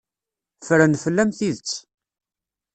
Ffren fell-am tidet.